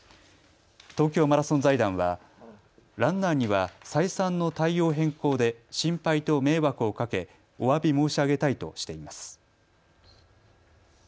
東京マラソン財団はランナーには再三の対応変更で心配と迷惑をかけ、おわび申し上げたいとしています。